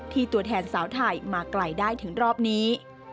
ตัวแทนสาวไทยมาไกลได้ถึงรอบนี้